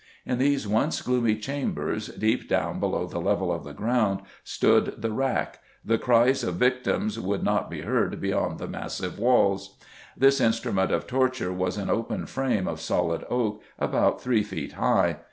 In these once gloomy chambers, deep down below the level of the ground, stood the rack; the cries of victims would not be heard beyond the massive walls. This instrument of torture was an open frame of solid oak about three feet high.